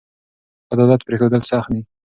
بد عادت پریښودل سخت دي.